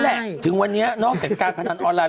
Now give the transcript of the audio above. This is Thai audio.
แต่ถึงวันนี้นอกจากการขัดผนันออนไลน์